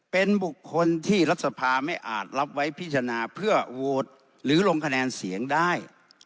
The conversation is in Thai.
เป็นบุคคลที่รัฐสภาไม่อาจรับไว้พิจารณาเพื่อโหวตหรือลงคะแนนเสียงได้